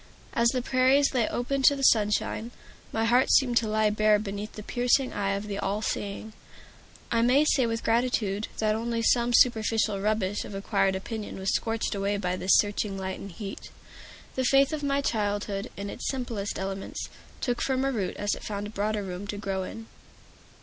As the prairies lay open to the sunshine, my heart seemed to lie bare beneath the piercing eye of the All Seeing. I may say with gratitude that only some superficial rubbish of acquired opinion was scorched away by this searching light and heat. The faith of my childhood, in its simplest elements, took firmer root as it found broader room to grow in.